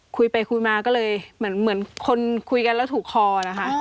คุยไปคุยมาก็เลยเหมือนคนคุยกันแล้วถูกคอนะคะ